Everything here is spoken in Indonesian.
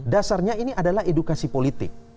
dasarnya ini adalah edukasi politik